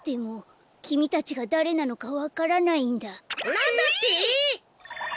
なんだって！？